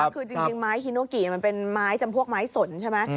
คือจริงไม้ฮิโนกิมันเป็นไม้จำพวกไม้สนใช่ไหม